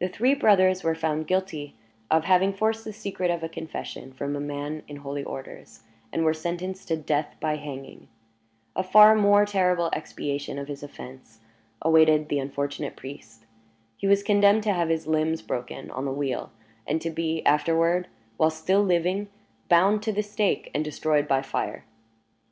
The three brothers were found guilty of having forced the secret of a confession from a man in holy orders, and were sentenced to death by hanging. A far more terrible expiation of his offense awaited the unfortunate priest. He was condemned to have his limbs broken on the wheel, and to be afterward, while still living, bound to the stake and destroyed by fire.